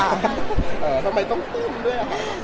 เออทำไมต้องตื่นด้วยอะ